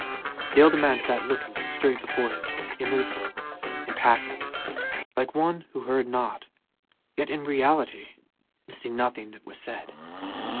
The elder man sat looking straight before him, immovable, impassive, like one who heard not, yet in reality missing nothing that was said.